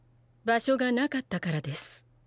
場所がなかったからです。